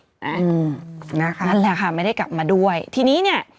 อืมนะคะนั่นแหละค่ะไม่ได้กลับมาด้วยทีนี้นี่